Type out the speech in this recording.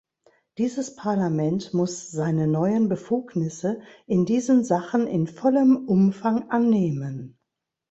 Dieses Parlament muss seine neuen Befugnisse in diesen Sachen in vollem Umfang annehmen.